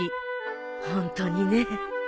ホントにねえ。